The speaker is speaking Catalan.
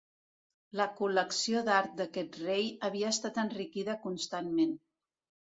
La col·lecció d'art d'aquest rei havia estat enriquida constantment.